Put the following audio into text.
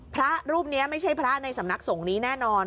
พระรูปนี้ไม่ใช่พระในสำนักสงฆ์นี้แน่นอน